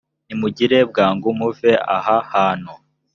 nimugire bwangu muve aha hantu